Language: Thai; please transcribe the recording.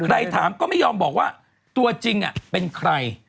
ถามก็ไม่ยอมบอกว่าตัวจริงเป็นใคร